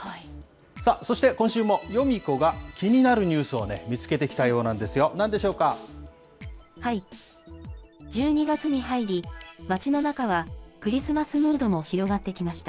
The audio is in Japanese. そして、今週もヨミ子が気になるニュースをね、見つけてきたよう１２月に入り、街の中はクリスマスムードも広がってきました。